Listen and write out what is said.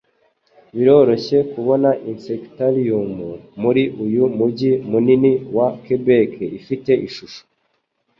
Biroroshye kubona Insectarium muri uyu mujyi munini wa Québec - ifite ishusho